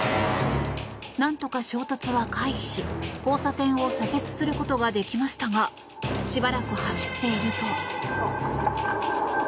何とか衝突は回避し、交差点を左折することができましたがしばらく走っていると。